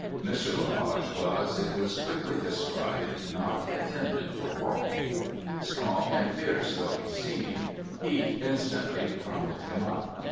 Mr. Le Page was, it was quickly descried, not intended for walking. Strong and fierce though he seemed, heat instantly crumpled him up.